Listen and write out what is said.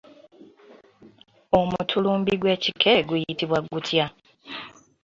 Omutulumbi gw'ekikere guyitibwa gutya?